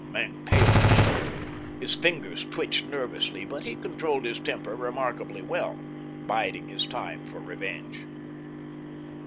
Maenck paled in anger. His fingers twitched nervously, but he controlled his temper remarkably well, biding his time for revenge.